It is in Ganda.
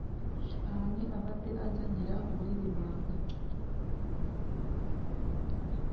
Ani abadde azanyira ku buliri bwange?